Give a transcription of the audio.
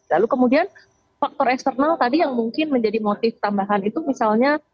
lalu kemudian faktor eksternal tadi yang mungkin menjadi motif tambahan itu misalnya